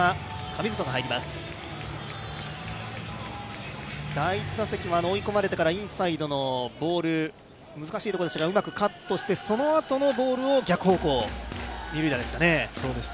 神里、第１打席は追い込まれてからのインサイドのボール、難しいところたでしたがうまくカットして、そのあとのボールを逆方向、二塁打でしたね。